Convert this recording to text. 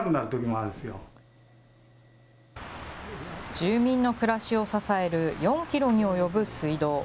住民の暮らしを支える４キロに及ぶ水道。